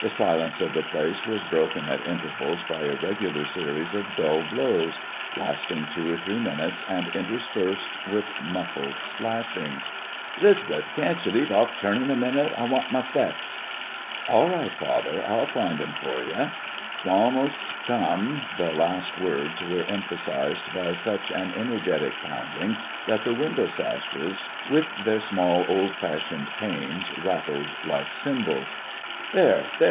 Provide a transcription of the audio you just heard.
The silence of the place was broken at intervals by a regular series of dull blows, lasting two or three minutes and interspersed with muffled splashings. "'Lisbeth, can't ye leave off churnin' a minute? I want my specs." "All right, father, I'll find 'em for ye: 's almost come!" The last words were emphasized by such an energetic pounding that the window sashes, with their small, old fashioned panes, rattled like cymbals. "There! there!